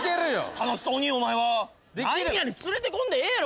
楽しそうにお前は何やねん連れてこんでええやろ